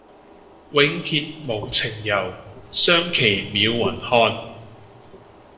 永結無情遊，相期邈雲漢